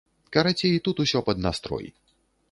Карацей, тут усё пад настрой.